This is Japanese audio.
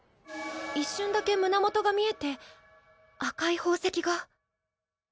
一瞬だけ胸元が見えて赤い宝石が。